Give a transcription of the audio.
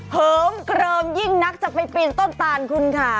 เหิมเกลิมยิ่งนักจะไปปีนต้นตานคุณค่ะ